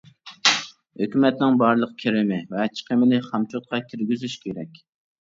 ھۆكۈمەتنىڭ بارلىق كىرىمى ۋە چىقىمىنى خامچوتقا كىرگۈزۈش كېرەك.